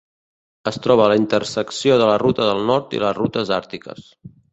Es troba a la intersecció de la ruta del nord i les rutes àrtiques.